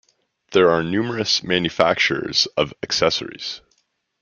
There are numerous manufactures of accessories.